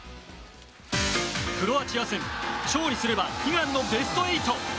クロアチア戦勝利すれば、悲願のベスト８。